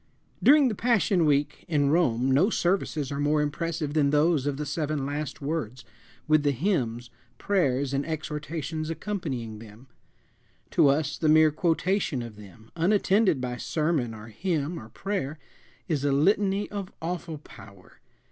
During Passion Week in Rome no services are more impressive than those of the seven "last words," with the hymns, prayers, and exhortations accompanying them. To us the mere quotation of them, unattended by sermon or hymn or prayer, is a litany of awful power.